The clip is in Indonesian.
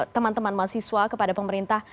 teman teman mahasiswa kepada pemerintah